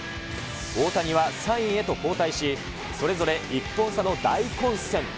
大谷は３位へと後退し、それぞれ１本差の大混戦。